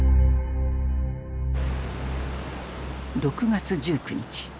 ６月１９日。